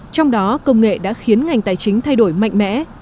trong đó công nghệ đã khiến ngành tài chính thay đổi mạnh mẽ